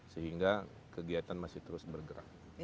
sehingga kegiatan masih terus bergerak